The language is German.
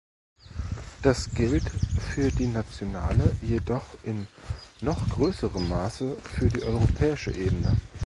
Das gilt für die nationale, jedoch in noch größerem Maße für die europäische Ebene.